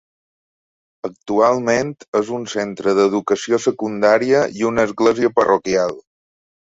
Actualment és un centre d'educació secundària i una església parroquial.